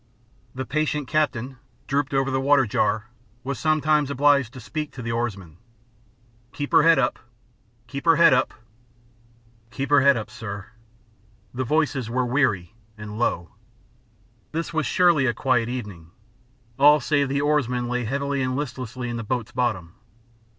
The patient captain, drooped over the water jar, was sometimes obliged to speak to the oarsman. "Keep her head up! Keep her head up!" "'Keep her head up,' sir." The voices were weary and low. This was surely a quiet evening. All save the oarsman lay heavily and listlessly in the boat's bottom.